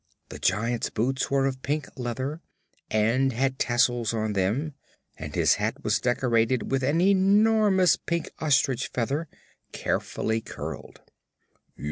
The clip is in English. The Giant's boots were of pink leather and had tassels on them and his hat was decorated with an enormous pink ostrich feather, carefully curled.